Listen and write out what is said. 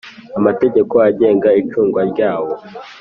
Amategeko agenga icungwa ryawo